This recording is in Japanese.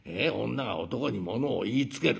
女が男にものを言いつける。